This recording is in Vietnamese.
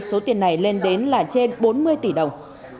số tiền này lên đến là trên bốn mươi tỷ đồng